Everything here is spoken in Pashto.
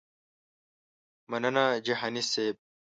مننه جهاني صیب.